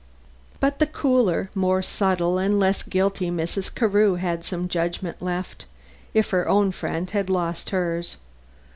But the cooler, more subtile and less guilty Mrs. Carew had some judgment left, if her friend had lost hers.